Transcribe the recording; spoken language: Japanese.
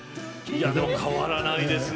いやでも変わらないですね。